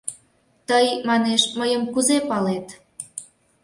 — Тый, манеш, мыйым кузе палет?